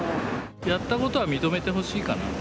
やったことは認めてほしいかな。